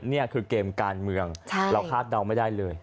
นี่คือเกมการเมืองเราคาดเดาไม่ได้เลย